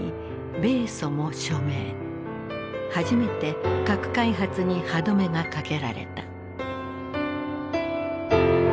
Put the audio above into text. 初めて核開発に歯止めがかけられた。